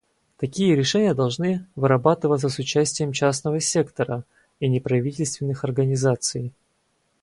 Такие решения должны вырабатываться с участием частного сектора и неправительственных организаций.